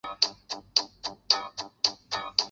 新疆异株荨麻为荨麻科荨麻属下的一个亚种。